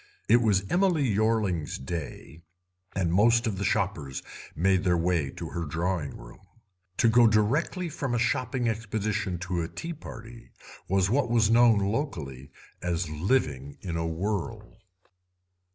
It was Emily Yorling's "day", and most of the shoppers made their way to her drawing room. To go direct from a shopping expedition to a tea party was what was known locally as "living in a whirl".